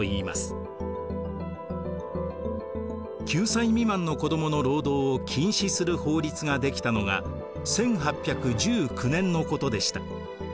９歳未満の子どもの労働を禁止する法律ができたのが１８１９年のことでした。